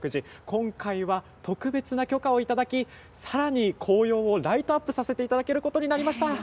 今回は特別な許可をいただきさらに紅葉をライトアップさせていただけることになりました。